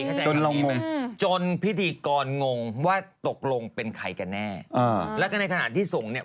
เข้าใจจนลองจนพิธีกรงงว่าตกลงเป็นใครกันแน่อ่าแล้วก็ในขณะที่ส่งเนี่ย